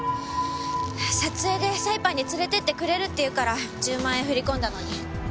撮影でサイパンに連れてってくれるって言うから１０万円振り込んだのに。